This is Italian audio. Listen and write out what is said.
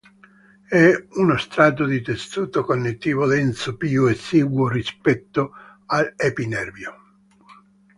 È uno strato di tessuto connettivo denso più esiguo rispetto all'epinervio.